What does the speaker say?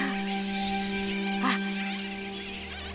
あっ！